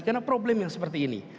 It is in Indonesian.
karena problem yang seperti ini